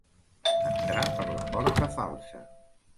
Entrar per la porta falsa.